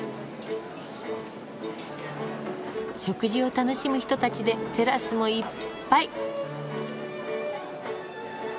食事を楽しむ人たちでテラスもいっぱい。